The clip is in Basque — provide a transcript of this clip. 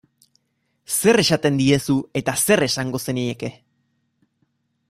Zer esaten diezu eta zer esango zenieke?